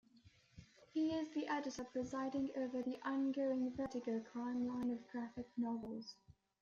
He is the editor presiding over the ongoing Vertigo Crime line of graphic novels.